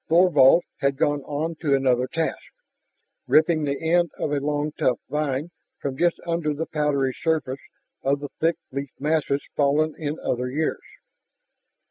Thorvald had gone on to another task, ripping the end of a long tough vine from just under the powdery surface of the thick leaf masses fallen in other years.